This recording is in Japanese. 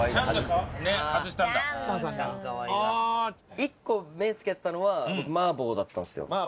１個目つけてたのは麻婆だったんですよ。